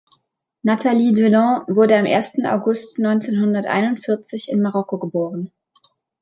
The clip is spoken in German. Nathalie Delon wurde am ersten August neunzehnhunderteinundvierzig in Marokko geboren.